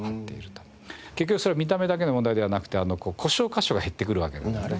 結局それは見た目だけの問題ではなくて故障箇所が減ってくるわけなのでね。